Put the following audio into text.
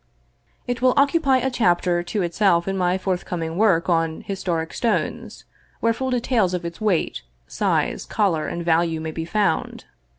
It will occupy a chapter to itself in my forthcoming work on " Historic Stones," where full details of its weight, size, color, and value may be found.